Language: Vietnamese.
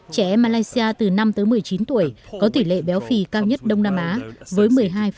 trẻ em malaysia từ năm tới một mươi chín tuổi có tỷ lệ béo phì cao nhất đông nam á với một mươi hai một